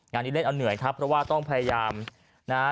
นี้เล่นเอาเหนื่อยครับเพราะว่าต้องพยายามนะฮะ